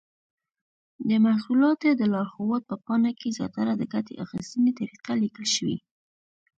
د محصولاتو د لارښود په پاڼه کې زیاتره د ګټې اخیستنې طریقه لیکل شوې.